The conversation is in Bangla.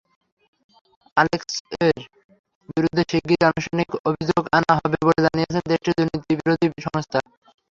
আলেক্সেইর বিরুদ্ধে শিগগিরই আনুষ্ঠানিক অভিযোগ আনা হবে বলে জানিয়েছে দেশটির দুর্নীতিবিরোধী সংস্থা।